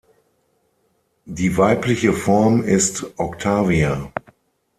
Die weibliche Form ist "Oktavia".